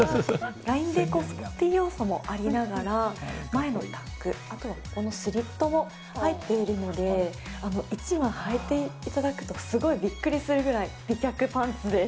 ラインでスポーティー要素もありながら、前のタック、あと、ここにスリットも入っているので、一度はいていただくと、すごいびっくりするぐらい美脚パンツです。